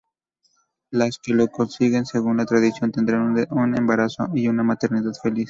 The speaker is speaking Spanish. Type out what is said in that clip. Las que lo consiguen, según la tradición, tendrán un embarazo y una maternidad feliz.